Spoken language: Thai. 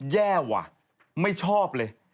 แย่ว่ะไม่ชอบเลย